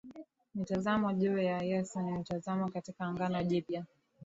Mitazamo juu ya Yesu ni mitazamo katika Agano Jipya